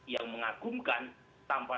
yang mengagumkan tanpa